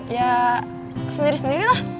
ya sendiri sendiri lah